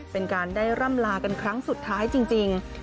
เป็นการได้ร่ำลากันครั้งสุดท้ายจริง